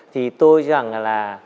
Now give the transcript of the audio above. thì tôi rằng là